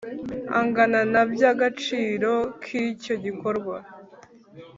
angana na by agaciro k icyo gikorwa